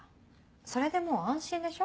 それでもう安心でしょ？